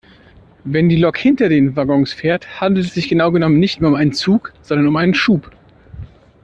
Wenn die Lok hinter den Waggons fährt, handelt es sich genau genommen nicht mehr um einen Zug sondern um einen Schub.